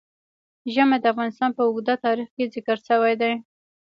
ژمی د افغانستان په اوږده تاریخ کې ذکر شوی دی.